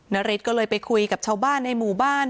นาริสก็เลยไปคุยกับชาวบ้านในหมู่บ้าน